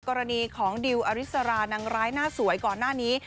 กรณีของดิวอริสรานางร้ายหน้าสวยก่อนหน้านี้